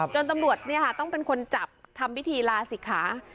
ตำรวจต้องเป็นคนจับทำพิธีลาศิกขา